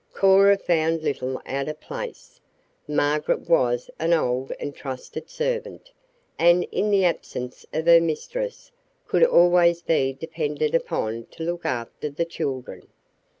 Cora found little out of place. Margaret was an old and trusted servant, and, in the absence of her mistress, could always be depended upon to look after the "children."